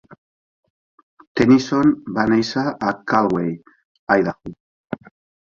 Tenison va néixer a Caldwell, Idaho.